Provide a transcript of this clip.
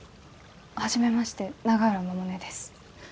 初めまして永浦百音です。